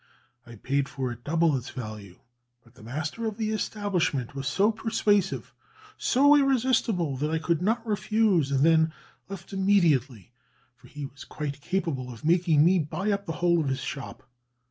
I paid for it double its value, but the master of the establishment was so persuasive, so irresistible, that I could not refuse, and I then left immediately, for he was quite capable of making me buy up the whole of his shop.